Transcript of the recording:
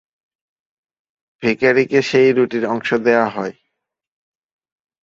ভিখারীকে সেই রুটির অংশ দেওয়া হয়।